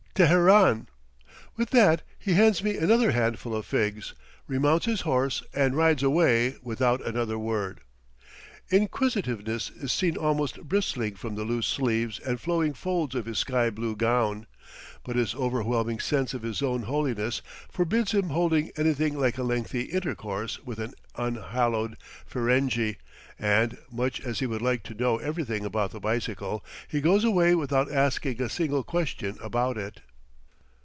"Teheran." With that he hands me another handful of figs, remounts his horse, and rides away without another word. Inquisitiveness is seen almost bristling from the loose sleeves and flowing folds of his sky blue gown, but his over whelming sense of his own holiness forbids him holding anything like a lengthy intercourse with an unhallowed Ferenghi, and, much as he would like to know everything about the bicycle, he goes away without asking a single question about it.